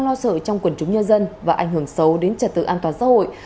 lo sợ trong quần chúng nhân dân và ảnh hưởng xấu đến trật tự an toàn xã hội